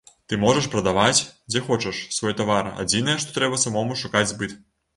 Ты можаш прадаваць, дзе хочаш, свой тавар, адзінае што трэба самому шукаць збыт.